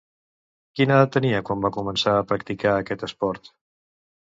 Quina edat tenia quan va començar a practicar aquest esport?